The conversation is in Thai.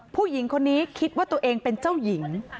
ผู้หญิงคนนี้คิดว่าตัวเองเป็นเจ้าหญิง